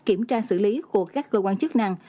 kiểm tra xử lý của các cơ quan chức năng